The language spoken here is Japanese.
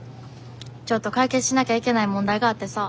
ちょっと解決しなきゃいけない問題があってさ。